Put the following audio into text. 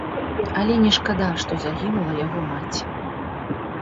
Але не шкада, што загінула яго маці.